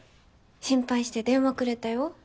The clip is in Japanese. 心配して電話くれたよ